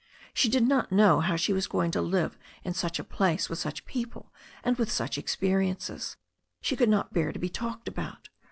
She did not know how she was going to live in such a place with such people, and with such experiences. She could not bear to be talked about.